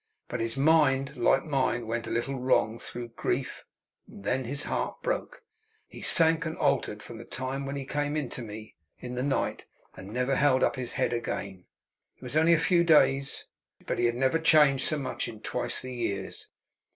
But his mind, like mine, went a little wrong through grief, and then his heart broke. He sank and altered from the time when he came to me in the night; and never held up his head again. It was only a few days, but he had never changed so much in twice the years.